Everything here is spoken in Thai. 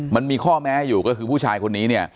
มันมีข้อแม้อยู่ก็คือผู้ชายคนนี้เนี่ย